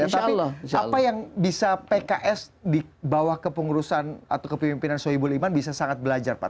tapi apa yang bisa pks di bawah kepengurusan atau kepemimpinan sohibul iman bisa sangat belajar pak